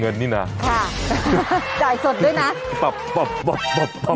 อยู่นี่หุ่นใดมาเพียบเลย